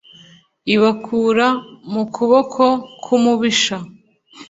ibakura mu kuboko k umubisha